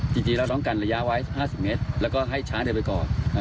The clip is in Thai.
จริงเราต้องกันระยะไว้๕๐เมตรแล้วก็ให้ช้างเดินไปก่อน